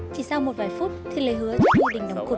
có thể là hơi ghen một chút